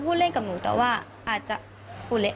ประตู๓ครับ